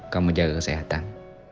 kamu jaga kesehatan